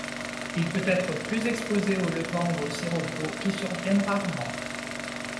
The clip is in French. Il peut être plus exposé au levant ou au sirocco, qui surviennent rarement.